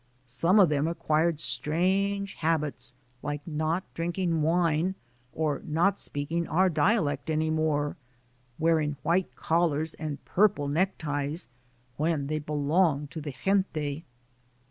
Some of them acquired strange habits, like not drinking wine or not speaking our dialect any more, wearing white collars and purple neckties when they belonged to the "gente."